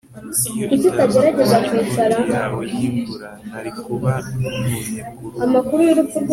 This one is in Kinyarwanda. iyo itaza kuba ikoti yawe yimvura, nari kuba numye kuruhu